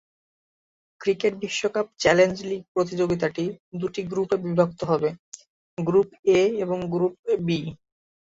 Cricket বিশ্বকাপ challenge league প্রতিযোগিতাটি দুটি গ্রুপে বিভক্ত হবে, গ্রুপ এ এবং গ্রুপ বি।